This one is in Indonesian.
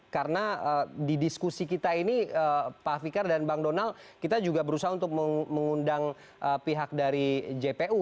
karena di diskusi kita ini pak fikar dan bang donal kita juga berusaha untuk mengundang pihak dari jpu